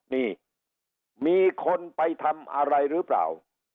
นี่มีคนไปทำอะไรหรือเปล่า